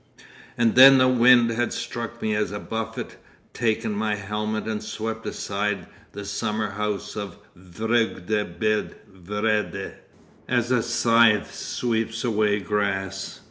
'And then the wind had struck me a buffet, taken my helmet and swept aside the summerhouse of Vreugde bij Vrede, as a scythe sweeps away grass.